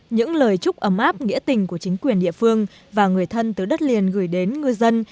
những lời chúc ấm áp nghĩa tình của chính quyền địa phương và người thân từ đất liền gửi đến ngư dân